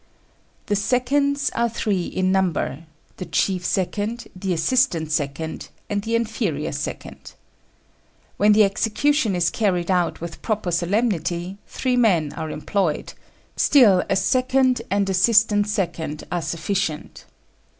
The seconds are three in number the chief second, the assistant second, and the inferior second. When the execution is carried out with proper solemnity, three men are employed; still a second and assistant second are sufficient.